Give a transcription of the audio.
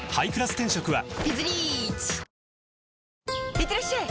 いってらっしゃい！